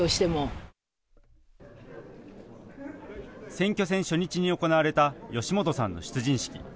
選挙戦初日に行われた吉本さんの出陣式。